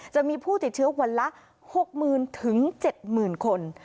จะมีผู้ติดเชื้อวันละ๖๐๐๐๗๐๐คน